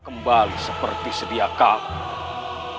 kembali seperti sediakala